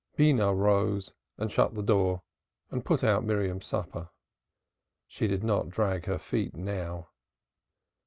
Beenah rose and shut the door and put out Miriam's supper; she did not drag her feet now.